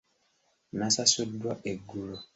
Nasasuddwa eggulo.